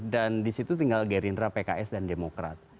dan disitu tinggal gerindra pks dan demokrat